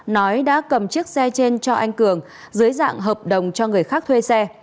nói đã cầm chiếc xe trên cho anh cường dưới dạng hợp đồng cho người khác thuê xe